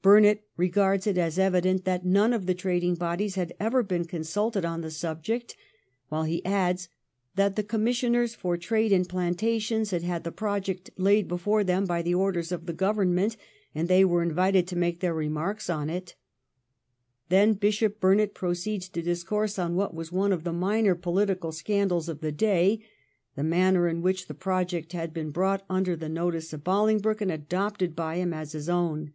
Burnet regards it as evident that none of the trading bodies had ever been consulted on the subject, while he adds that the Commissioners for Trade and Plantations had had the project laid before them by the orders of the Government and they were invited to make their remarks on it. Then Bishop Burnet proceeds to discourse on what was one of the minor poHtical scandals of the day — the manner in which the project had been brought under the notice of Bolingbroke and adopted by him as his own.